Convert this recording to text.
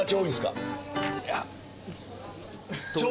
いや。